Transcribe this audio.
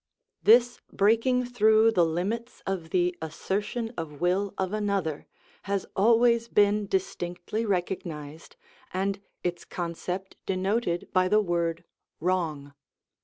This breaking through the limits of the assertion of will of another has always been distinctly recognised, and its concept denoted by the word wrong.